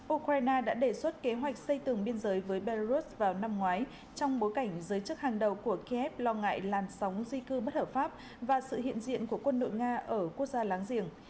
ukraine đã đề xuất kế hoạch xây tường biên giới với belarus vào năm ngoái trong bối cảnh giới chức hàng đầu của kiev lo ngại làn sóng di cư bất hợp pháp và sự hiện diện của quân đội nga ở quốc gia láng giềng